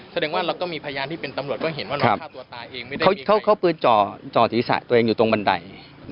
เขาพื้นจอศีรษะตัวเองอยู่ตรงบันได